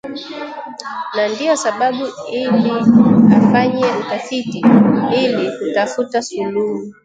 na ndio sababu ili afanye utafiti ili kutafuta suluhu